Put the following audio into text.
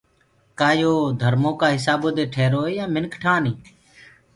ڪآ يو ڌرمو ڪآ هِسآبو دي ٺيروئي يآن منک ٺآنيٚ